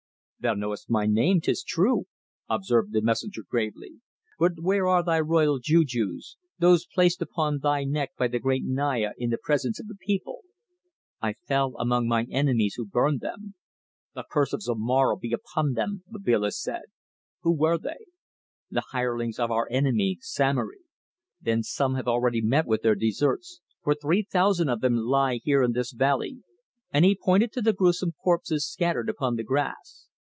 "Thou knowest my name, 'tis true," observed the messenger gravely. "But where are thy royal jujus; those placed upon thy neck by the great Naya in the presence of the people?" "I fell among enemies who burned them." "The curse of Zomara be upon them," Babila said. "Who were they?" "The hirelings of our enemy, Samory." "Then some have already met with their deserts, for three thousand of them lie here in this valley," and he pointed to the gruesome corpses scattered upon the grass.